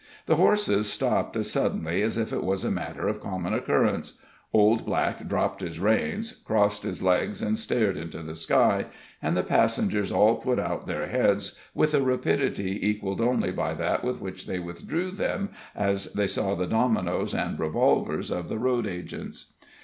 The horses stopped as suddenly as if it was a matter of common occurrence, Old Black dropped his reins, crossed his legs, and stared into the sky, and the passengers all put out their heads with a rapidity equaled only by that with which they withdrew them as they saw the dominoes and revolvers of the road agents.